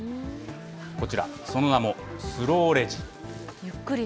こちら、その名もスローレジ。